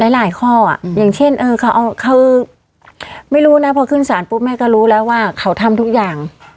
หลายข้ออย่างเช่นเขาไม่รู้นะพอขึ้นสารปุ๊บแม่ก็รู้แล้วว่าเขาทำทุกอย่าง